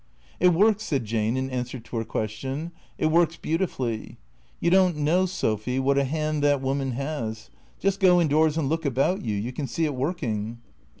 " It works," said Jane in answer to her question ;" it works beautifully. You don't know, Sophy, what a hand that woman has. Just go indoors and look about you. You can see it working."